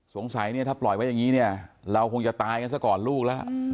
สงสัยเนี่ยถ้าปล่อยไว้อย่างนี้เนี่ยเราคงจะตายกันซะก่อนลูกแล้ว